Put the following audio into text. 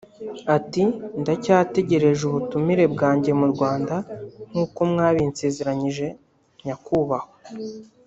ati “Ndacyategereje ubutumire bwanjye mu Rwanda nk’uko mwabinsezeranyije Nyakubahwa